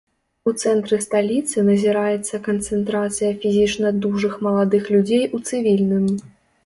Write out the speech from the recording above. У цэнтры сталіцы назіраецца канцэнтрацыя фізічна дужых маладых людзей у цывільным.